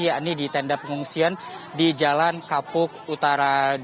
yakni di tenda pengungsian di jalan kapuk utara dua